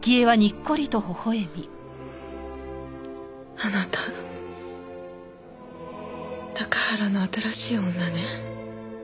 あなた高原の新しい女ね。